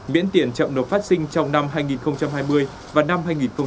miễn tiền chậm nộp phát sinh trong năm hai nghìn hai mươi và năm hai nghìn hai mươi một